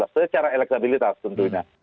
secara elektabilitas tentunya